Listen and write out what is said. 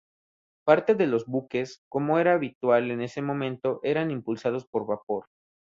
Parte de los buques, como era habitual en ese momento, eran impulsados por vapor.